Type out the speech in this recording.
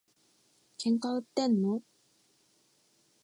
喧嘩売ってんの？